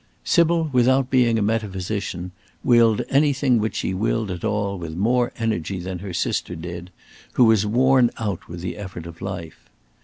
Sybil, without being a metaphysician, willed anything which she willed at all with more energy than her sister did, who was worn out with the effort of life.